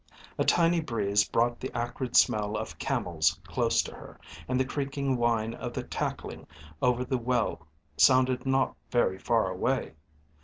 A tiny breeze brought the acrid smell of camels closer to her, and the creaking whine of the tackling over the well sounded not very far away.